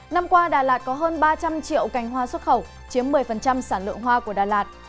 năm qua đà lạt có hơn ba trăm linh triệu cành hoa xuất khẩu chiếm một mươi sản lượng hoa của đà lạt